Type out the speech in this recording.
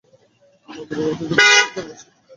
দূর্ভাগ্যবশত ভুল পরিবারে জন্মেছি।